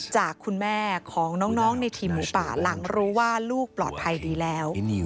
จากคุณแม่ของน้องในทีมหมูป่าหลังรู้ว่าลูกปลอดภัยดีแล้ว